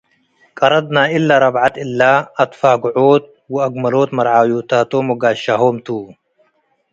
ቀረድ ናይ እለ ረብዐት እለ አትፋግዖት ወአግመሎት መርዓውዮታት ወጋሻሆም ቱ ።